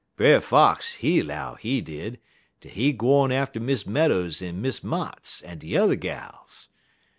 Brer Fox, he 'low, he did, dat he gwine atter Miss Meadows en Miss Motts, en de yuther gals.